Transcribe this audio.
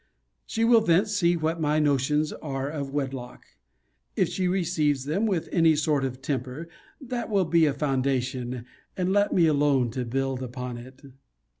She will thence see what my notions are of wedlock. If she receives them with any sort of temper, that will be a foundation and let me alone to build upon it.